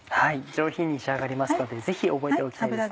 上品に仕上がりますのでぜひ覚えておきたいですね。